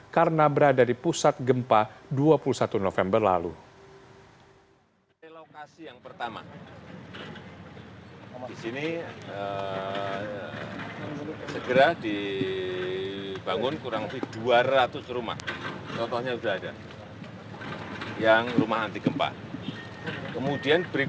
karena berada di pusat gempa dua puluh satu hektare